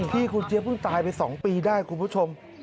ที่คุณเจี๊ยเพิ่งตายไป๒ปีได้คุณผู้ชม